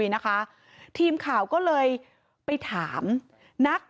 ในอนาคตเขาจะยังไง